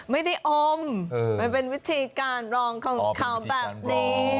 อมมันเป็นวิธีการรองของเขาแบบนี้